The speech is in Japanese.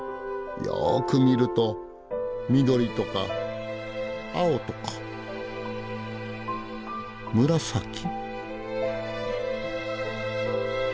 よく見ると緑とか青とか紫。